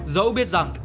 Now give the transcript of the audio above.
dẫu biết rằng